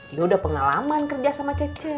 ini udah pengalaman kerja sama cece